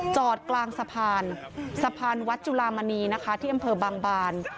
จอดกลางสะพานสะพานวัดจุลามณีนะคะที่อำเภอบางบาน